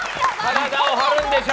体を張るんでしょ。